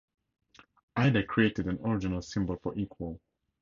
Aida created an original symbol for "equal".